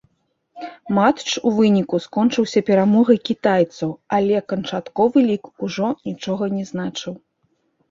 Матч у выніку скончыўся перамогай кітайцаў, але канчатковы лік ужо нічога не значыў.